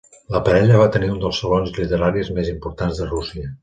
La parella va tenir un dels salons literaris més importants de Rússia.